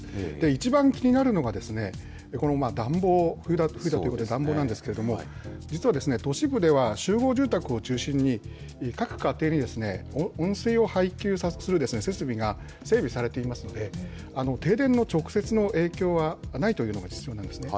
一番気になるのが、暖房、冬だということで、暖房なんですけれども、実は都市部では、集合住宅を中心に、各家庭に温水を配給する設備が整備されていますので、停電の直接の影響はないというのが実情なんですね。